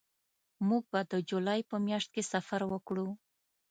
موږ به د جولای په میاشت کې سفر وکړو